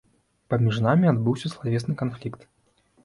Паміж намі адбыўся славесны канфлікт.